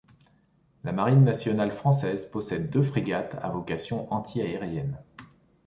La Marine nationale française possède deux frégates à vocation anti-aérienne.